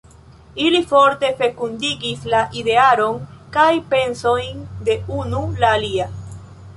Ili forte fekundigis la idearon kaj pensojn de unu la alia.